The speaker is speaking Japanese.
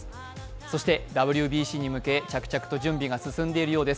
そしてＷＢＣに向け着々と準備が進んでいるようです。